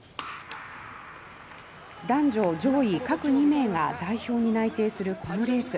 男女上位各２名が代表に内定するこのレース。